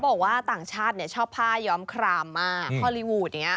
เขาบอกว่าต่างชาติเนี้ยชอบผ้าย้อมคลามมากฮอลลีวูดเนี้ย